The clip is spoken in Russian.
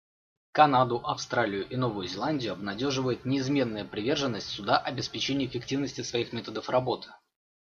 Канаду, Австралию и Новую Зеландию обнадеживает неизменная приверженность Суда обеспечению эффективности своих методов работы.